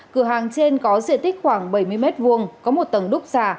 cửa hàng trên có diện tích khoảng bảy mươi m hai có một tầng đúc xả